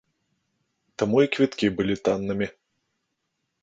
Таму і квіткі былі таннымі.